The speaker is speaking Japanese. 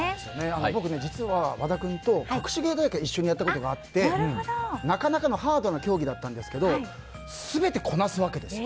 僕、実は和田君とかくし芸大会を一緒にやったことがあってなかなかのハードな競技だったんですけど全てこなすわけですよ。